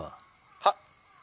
「はっ」。